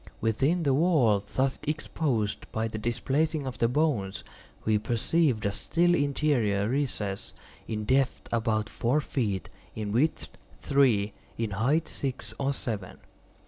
Within the wall thus exposed by the displacing of the bones, we perceived a still interior recess, in depth about four feet, in width three, in height six or seven.